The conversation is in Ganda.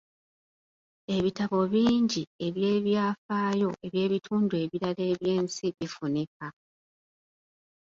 Ebitabo bingi eby'ebyafaayo by'ebitundu ebirala eby'ensi bifunika.